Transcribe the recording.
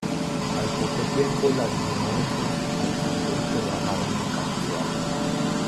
Al poco tiempo, las limosnas al convento bajaron en cantidad.